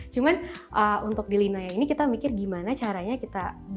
cuma untuk di lina yang ini kita mikir gimana caranya kita desain tangga